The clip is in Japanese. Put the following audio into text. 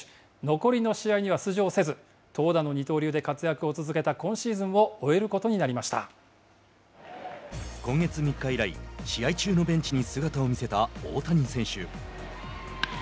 残りの試合には出場せず投打の二刀流で活躍を続けた今シーズンを今月３日以来試合中のベンチに姿を見せた大谷選手。